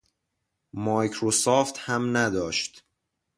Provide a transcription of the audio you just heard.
مایکروسافت هم نداشت.